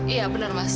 iya benar mas